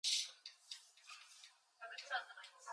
In this way Ole Ravna had own herd of reindeers.